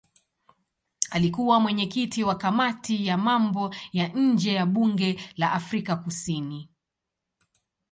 Alikuwa mwenyekiti wa kamati ya mambo ya nje ya bunge la Afrika Kusini.